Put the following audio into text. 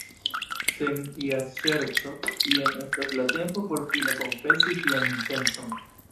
Sen ia ŝerco, jen estas la tempo por fine konfesi vian intencon!